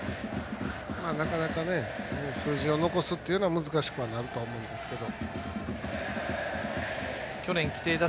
なかなか数字を残すっていうのは難しくはなると思うんですけど。